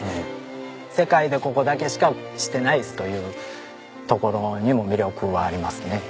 世界でここだけしかしてないというところにも魅力はありますね。